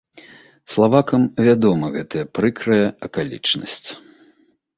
Славакам вядома гэтая прыкрая акалічнасць.